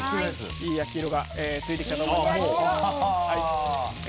いい焼き色がついてきたところで。